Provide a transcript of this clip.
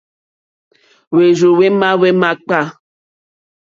Hwérzù hwémá hwémǎkpâ.